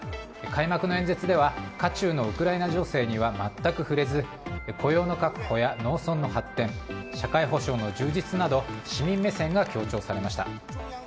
開幕の演説では渦中のウクライナ情勢には全く触れず雇用の確保や農村の発展社会保障の充実など市民目線が強調されました。